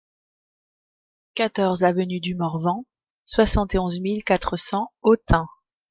quatorze avenue du Morvan, soixante et onze mille quatre cents Autun